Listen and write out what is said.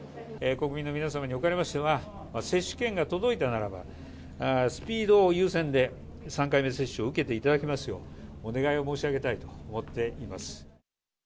国民の皆様におかれましては、接種券が届いたならば、スピードを優先で、３回目接種を受けていただきますよう、お願いを申し上げたいと思っています。